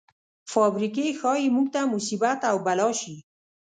فابریکې ښايي موږ ته مصیبت او بلا شي.